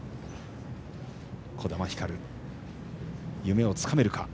児玉ひかる、夢をつかめるか。